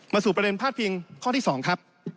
สู่ประเด็นพาดพิงข้อที่๒ครับ